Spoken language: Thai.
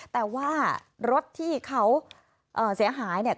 แต่ว่ารถที่เขาเสียหายเนี่ย